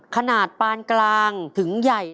ขนาดปานกลางถึงใหญ่